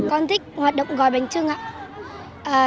con thích hoạt động gói bánh trưng ạ